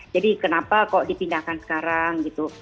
jadi kenapa kok dipindahkan sekarang gitu